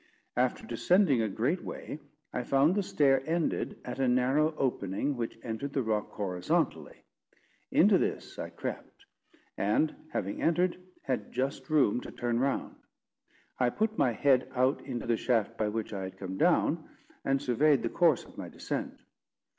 After descending a great way, I found the stair ended at a narrow opening which entered the rock horizontally. Into this I crept, and, having entered, had just room to turn round. I put my head out into the shaft by which I had come down, and surveyed the course of my descent.